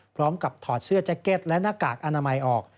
พร้อมกับถอดเสื้อแจ็กเก็ตและหน้ากากอนามัยออก